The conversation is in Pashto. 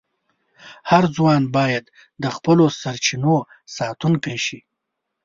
هر ځوان باید د خپلو سرچینو ساتونکی شي.